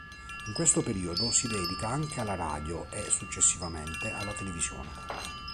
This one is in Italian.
In questo periodo, si dedica anche alla radio e, successivamente, alla televisione.